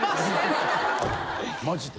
マジで？